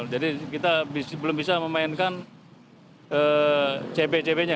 jadi kita belum bisa memainkan cb cb nya